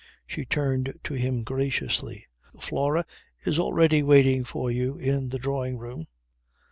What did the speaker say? She turned to him graciously: "Flora is already waiting for you in the drawing room."